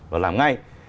và làm ngay